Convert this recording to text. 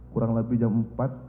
kurang lebih jam empat